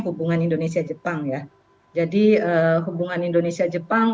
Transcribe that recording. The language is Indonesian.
hubungan indonesia jepang ya jadi hubungan indonesia jepang